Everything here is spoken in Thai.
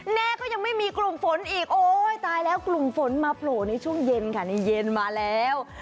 แน่ก็ยังไม่มีกลุ่มฝนอีกโอ้ยตายแล้วกลุ่มฝนมาโผล่ในช่วงเย็นค่ะในเย็นมาแล้ว